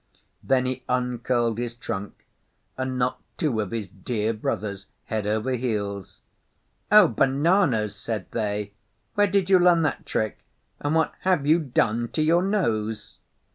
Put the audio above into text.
Then he uncurled his trunk and knocked two of his dear brothers head over heels. 'O Bananas!' said they, 'where did you learn that trick, and what have you done to your nose?